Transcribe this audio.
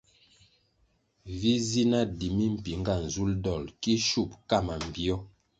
Vi zi na di mimpinga nzulʼ dolʼ ki shup ka mambpio.